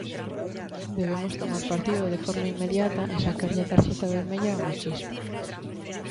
Debemos tomar partido de forma inmediata e sacarlle a tarxeta vermella ao machismo.